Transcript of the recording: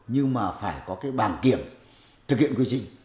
nhưng mà phải có cái bảng kiểm thực hiện quy trình